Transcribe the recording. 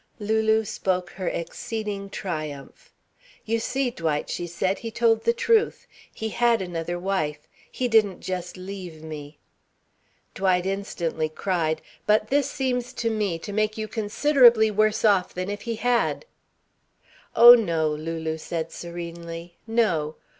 Lulu spoke her exceeding triumph. "You see, Dwight," she said, "he told the truth. He had another wife. He didn't just leave me." Dwight instantly cried: "But this seems to me to make you considerably worse off than if he had." "Oh, no," Lulu said serenely. "No.